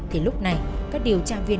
thì lúc này các điều tra viên